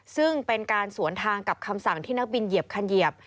ซึ่งเป็นการสวนทางกับคำสั่งที่นักบินเหยียบคันเหยียบ